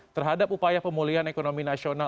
terhadap upaya pemulihan ekonomi nasional